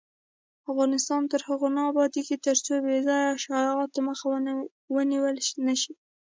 افغانستان تر هغو نه ابادیږي، ترڅو بې ځایه شایعاتو مخه ونیول نشي.